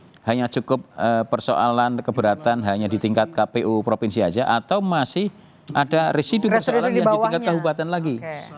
karena hanya cukup persoalan keberatan hanya di tingkat kpu provinsi saja atau masih ada residu persoalan yang di tingkat kabupaten lagi